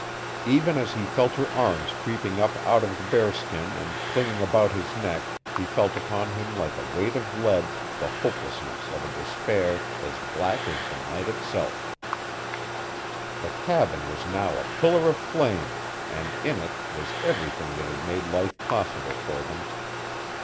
Even as he felt her arms creeping up out of the bearskin and clinging about his neck he felt upon him like a weight of lead the hopelessness of a despair as black as the night itself. The cabin was now a pillar of flame, and in it was everything that had made life possible for them.